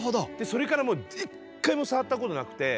それからもう一回も触ったことなくて。